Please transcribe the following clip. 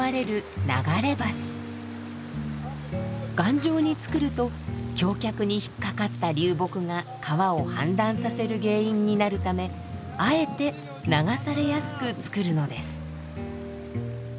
頑丈に作ると橋脚に引っ掛かった流木が川を氾濫させる原因になるためあえて流されやすく作るのです。